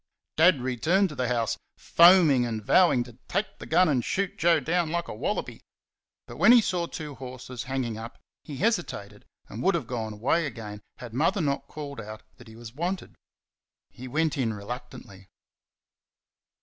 Dad returned to the house, foaming and vowing to take the gun and shoot Joe down like a wallaby. But when he saw two horses hanging up he hesitated and would have gone away again had Mother not called out that he was wanted. He went in reluctantly.